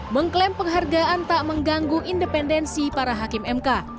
mengklaim penghargaan tak mengganggu independensi para hakim mk